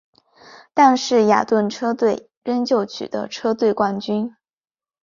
但是雅顿车队仍旧取得车队冠军。